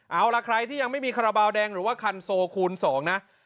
เอาล่ะใครที่ยังไม่มีคาราบาลแดงหรือว่าคันโซคูณ๒นะ